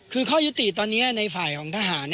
คือข้อยุติตอนนี้ในฝ่ายของทหาร